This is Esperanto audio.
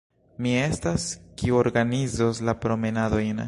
Mi estas, kiu organizos la promenadojn.